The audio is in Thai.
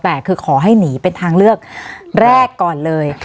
แต่คือขอให้หนีเป็นทางเลือกแรกก่อนเลย